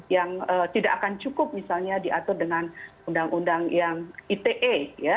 yang tidak akan cukup misalnya diatur dengan undang undang yang ite